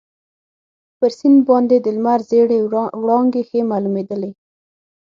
پر سیند باندي د لمر ژېړې وړانګې ښې معلومیدلې.